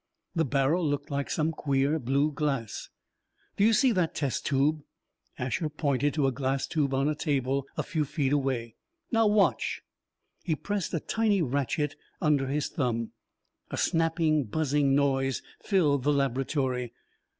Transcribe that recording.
The barrel looked like some queer, blue glass. "Do you see that test tube?" Asher pointed to a glass tube on a table a few feet away. "Now watch." He pressed a tiny ratchet under his thumb. A snapping, buzzing noise filled the laboratory.